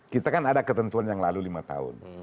kita kan ada ketentuan yang lalu lima tahun